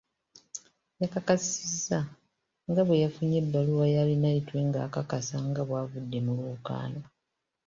Yakakasizza nga bwe yafunye ebbaluwa ya Arineitwe nga ekakasa nga bw'avudde mu lwokaano.